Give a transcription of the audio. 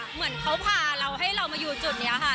เหมือนเขาพาเราให้เรามาอยู่จุดนี้ค่ะ